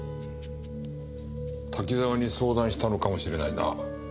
滝沢に相談したのかもしれないな。